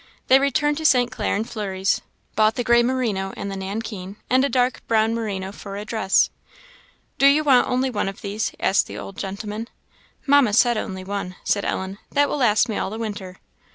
They returned to St. Clair and Fleury's bought the gray merino and the nankeen, and a dark brown merino for a dress. "Do you want only one of these?" asked the old gentleman. "Mamma said only one," said Ellen; "that will last me all the winter."